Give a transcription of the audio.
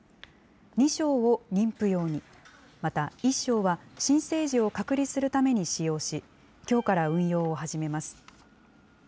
２床を妊婦用に、また１床は新生児を隔離するために使用し、きょうから運用を始めます。